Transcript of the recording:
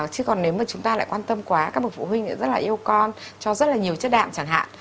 chứ còn nếu mà chúng ta lại quan tâm quá các bậc phụ huynh rất là yêu con cho rất là nhiều chất đạm chẳng hạn